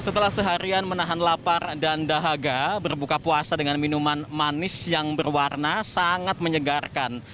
setelah seharian menahan lapar dan dahaga berbuka puasa dengan minuman manis yang berwarna sangat menyegarkan